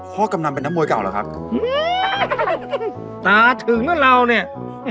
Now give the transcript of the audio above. กำนันเป็นนักมวยเก่าเหรอครับตาถึงแล้วเราเนี่ย